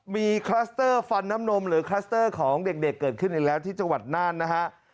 มีคลัสเตอร์ฟันน้ำนมหรือคลัสเตอร์ของเด็กเกิดขึ้นอีกแล้วที่จังหวัดน่านนะฮะ